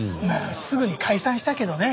すぐに解散したけどね。